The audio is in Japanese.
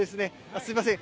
すみません。